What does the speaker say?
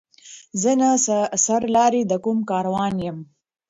زه نه سر لاری د کوم کاروان یم